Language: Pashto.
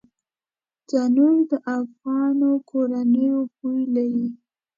تنور د افغانو کورونو بوی لري